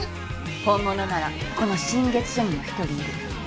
本物ならこの新月署にも一人いる。